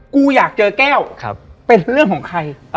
กูอยากเจอแก้วเป็นเรื่องของใคร